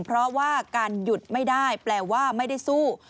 เพราะว่าการหยุดไม่ได้แปลว่าไม่ได้สู้